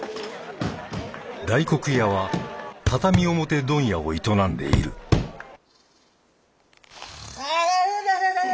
大黒屋は畳表問屋を営んでいるああいたたたた！